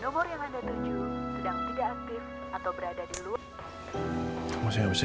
kamu masih nggak bisa dihubungi ya